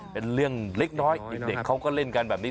เป็นเรื่องเล็กน้อยเด็กเขาก็เล่นกันแบบนี้